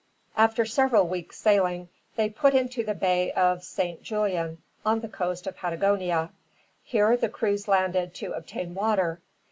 After several weeks' sailing, they put into the Bay of Saint Julian, on the coast of Patagonia. Here the crews landed to obtain water.